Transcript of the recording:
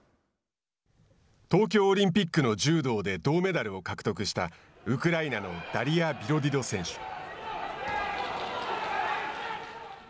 東京オリンピックの柔道で銅メダルを獲得したウクライナのダリア・ビロディド選手。